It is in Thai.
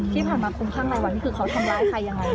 ที่ผ่านมาคุ้มคั่งว่ามันคือเขาทำแร้ใครยังไง